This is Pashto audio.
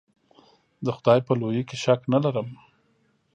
د خدای په لویي کې شک نه ارم.